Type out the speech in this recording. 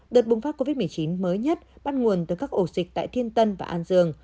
đợt bùng phát covid một mươi chín mới nhất bắt nguồn từ các ổ dịch tại thiên tân và an dương